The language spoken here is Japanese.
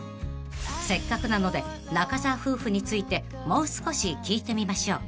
［せっかくなので中澤夫婦についてもう少し聞いてみましょう］